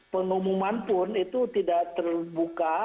pengumuman pun itu tidak terbuka